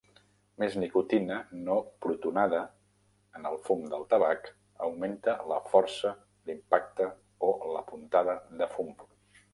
Més nicotina no protonada en el fum del tabac augmenta la "força", l'"impacte" o la "puntada" de fum.